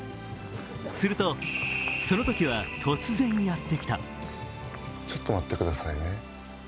すると、その時は突然やってきた。